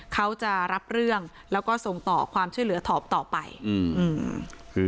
เขาจะรับเรื่องแล้วก็ส่งต่อความช่วยเหลือถอบต่อไปอืมคือ